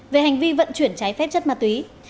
về hành vi vận chuyển trái phép chất ma túy